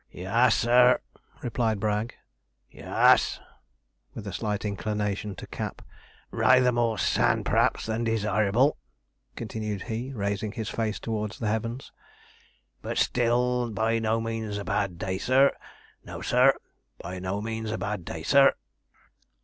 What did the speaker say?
'Y_as_, sir,' replied Bragg, 'y_as_,' with a slight inclination to cap; 'r a y ther more s_a_n, p'raps, than desirable,' continued he, raising his face towards the heavens; 'but still by no means a bad day, sir no, sir by no means a bad day, sir.'